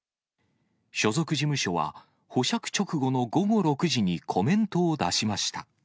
所属事務所は、保釈直後の午後６時にコメントを出しました。